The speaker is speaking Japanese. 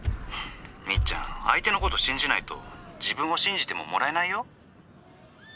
「みっちゃん相手のことを信じないと自分を信じてももらえないよ。